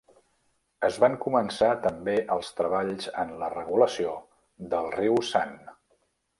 Es van començar també els treballs en la regulació del riu San.